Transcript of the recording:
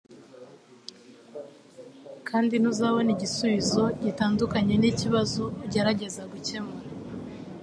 kandi ntuzabona igisubizo gitandukanye n'ikibazo ugerageza gukemura. ” —Jeff Bezos